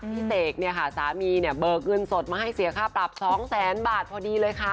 เสกเนี่ยค่ะสามีเนี่ยเบิกเงินสดมาให้เสียค่าปรับ๒แสนบาทพอดีเลยค่ะ